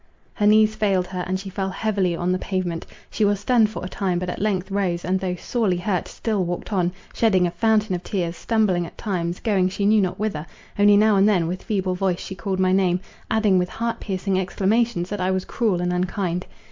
Her knees failed her, and she fell heavily on the pavement. She was stunned for a time; but at length rose, and though sorely hurt, still walked on, shedding a fountain of tears, stumbling at times, going she knew not whither, only now and then with feeble voice she called my name, adding with heart piercing exclamations, that I was cruel and unkind.